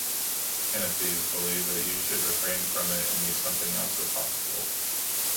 Hanafis believe that you should refrain from it and eat something else if possible.